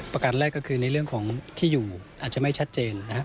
การแรกก็คือในเรื่องของที่อยู่อาจจะไม่ชัดเจนนะครับ